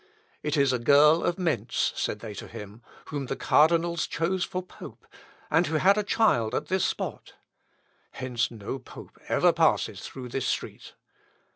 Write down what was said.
It is a girl of Mentz, said they to him, whom the cardinals chose for pope, and who had a child at this spot. Hence no pope ever passes through this street.